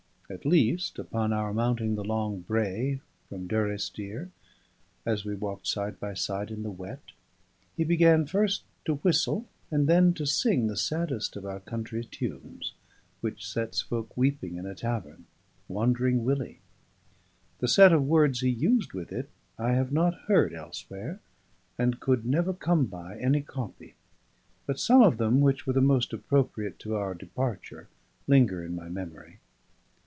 At least, upon our mounting the long brae from Durrisdeer, as we walked side by side in the wet, he began first to whistle and then to sing the saddest of our country tunes, which sets folk weeping in a tavern, "Wandering Willie." The set of words he used with it I have not heard elsewhere, and could never come by any copy; but some of them which were the most appropriate to our departure linger in my memory.